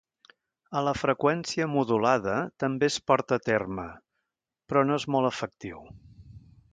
A la freqüència modulada també es porta a terme, però no és molt efectiu.